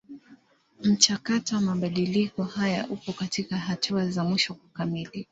Mchakato wa mabadiliko haya upo katika hatua za mwisho kukamilika.